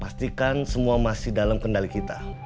pastikan semua masih dalam kendali kita